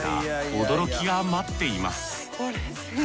驚きが待っています。